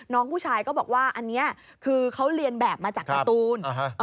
น้องผู้ชายก็บอกว่าอันนี้คือเขาเรียนแบบมาจากการ์ตูน